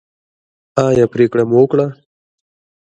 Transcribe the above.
ایا پریکړه مو وکړه؟